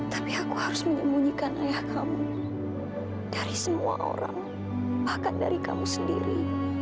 tapi aku harus menyembunyikan ayah kamu dari semua orang bahkan dari kamu sendiri